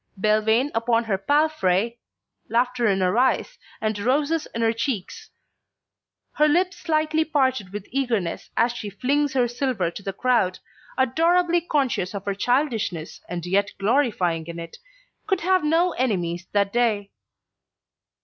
Belvane upon her palfrey, laughter in her eyes and roses in her cheeks, her lips slightly parted with eagerness as she flings her silver to the crowd, adorably conscious of her childishness and yet glorifying in it, could have no enemies that day.